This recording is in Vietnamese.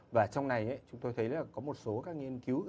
và trong này chúng tôi thấy là có một số các nghiên cứu